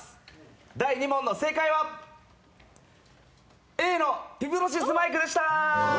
第２問の正解は、Ａの「ヒプノシスマイク」でした。